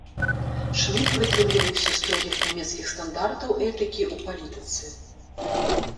Шміт прытрымліваўся строгіх нямецкіх стандартаў этыкі ў палітыцы.